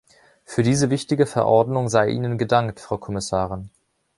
Für diese wichtige Verordnung sei Ihnen gedankt, Frau Kommissarin.